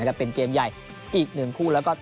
ได้รับเอกสารยืนยันว่าจะเป็น